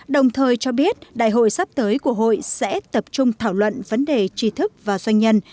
đồng thời cho biết đại hội sắp tới của hội sẽ tập trung thảo luận vấn đề tri thức và doanh nhân